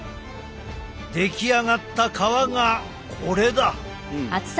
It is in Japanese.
出来上がった皮がこれだ。